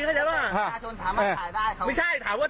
ประชาชนถามว่าถ่ายได้